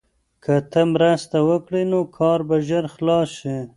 که ته مرسته وکړې نو کار به ژر خلاص شي.